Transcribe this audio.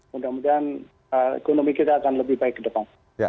mudah mudahan ekonomi kita akan lebih baik ke depan